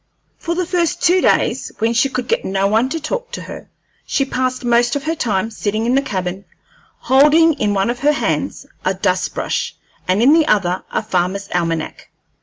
For the first two days, when she could get no one to talk to her, she passed most of her time sitting in the cabin, holding in one of her hands a dustbrush, and in the other a farmer's almanac.